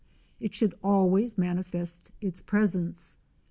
It should always manifest its presence.